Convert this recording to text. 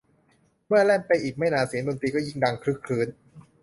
เมื่อแล่นไปอีกไม่นานเสียงดนตรีก็ยิ่งดังครึกครื้น